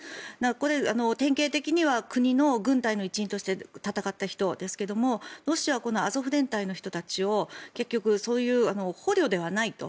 これ、典型的には国の軍隊の一員として戦った人ですけれどロシアはこのアゾフ連隊の人たちを捕虜ではないと。